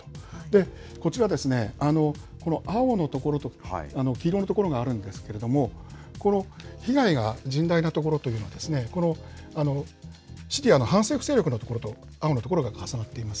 こちらですね、この青の所と黄色の所があるんですけれども、この被害が甚大な所というのは、このシリアの反政府勢力の所と、青の所が重なっています。